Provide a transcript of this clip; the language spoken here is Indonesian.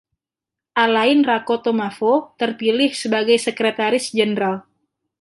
Alain Rakotomavo terpilih sebagai Sekretaris Jenderal.